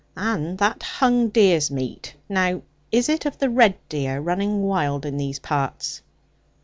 And that hung deer's meat, now is it of the red deer running wild in these parts?'